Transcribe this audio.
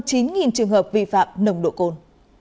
trường hợp vi phạm nồng độ côn